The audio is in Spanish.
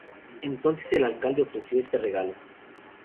Entonces el alcalde ofreció este regalo.